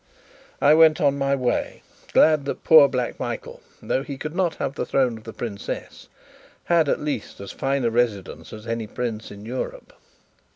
I went on my way, glad that poor Black Michael, though he could not have the throne or the princess, had, at least, as fine a residence as any prince in Europe.